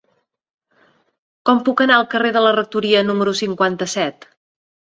Com puc anar al carrer de la Rectoria número cinquanta-set?